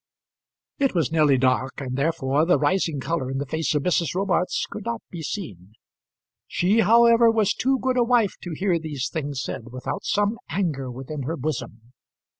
It was nearly dark, and therefore the rising colour in the face of Mrs. Robarts could not be seen. She, however, was too good a wife to hear these things said without some anger within her bosom.